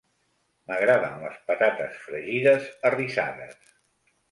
M'agraden les patates fregides arrissades.